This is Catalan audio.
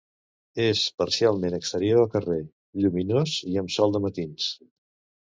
És parcialment exterior a carrer, lluminós i amb sol de matins.